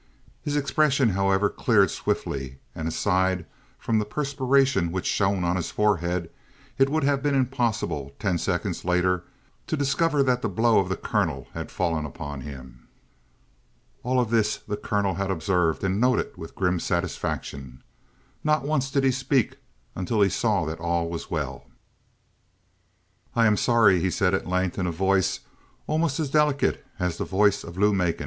His expression, however, cleared swiftly, and aside from the perspiration which shone on his forehead it would have been impossible ten seconds later to discover that the blow of the colonel had fallen upon him. All of this the colonel had observed and noted with grim satisfaction. Not once did he speak until he saw that all was well. "I am sorry," he said at length in a voice almost as delicate as the voice of Lou Macon.